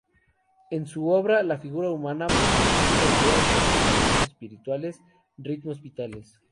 En su obra, la figura humana personifica ideas, comportamientos espirituales, ritmos vitales.